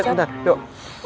eh sebentar yuk